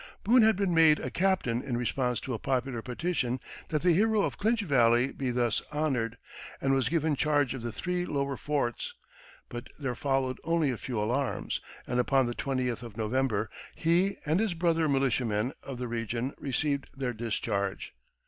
Boone had been made a captain in response to a popular petition that the hero of Clinch Valley be thus honored, and was given charge of the three lower forts; but there followed only a few alarms, and upon the twentieth of November he and his brother militiamen of the region received their discharge.